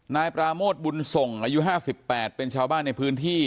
นายปราโมทบุญส่งอายุ๕๘เป็นชาวบ้านในพื้นที่